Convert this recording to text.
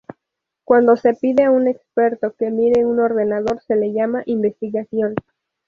Cuando se pide a un experto que mire un ordenador, se le llama "investigación".